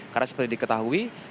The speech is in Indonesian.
karena seperti diketahui